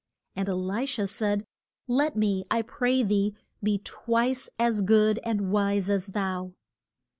And E li sha said, Let me, I pray thee, be twice as good and wise as thou.